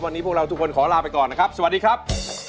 วันนี้พวกเราทุกคนขอลาไปก่อนนะครับสวัสดีครับ